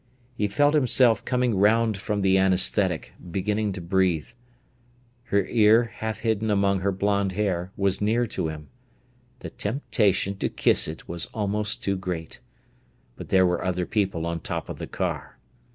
He felt himself coming round from the anæsthetic, beginning to breathe. Her ear, half hidden among her blonde hair, was near to him. The temptation to kiss it was almost too great. But there were other people on top of the car.